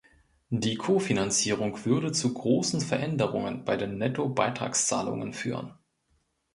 Die Kofinanzierung würde zu großen Veränderungen bei den Nettobeitragszahlungen führen.